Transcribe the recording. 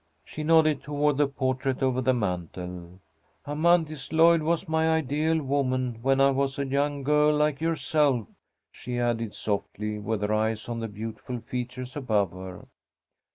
She nodded toward the portrait over the mantel. "Amanthis Lloyd was my ideal woman when I was a young girl like yourself," she added, softly, with her eyes on the beautiful features above her.